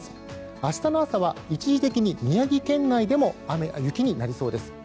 明日の朝は一時的に宮城県内でも雪になりそうです。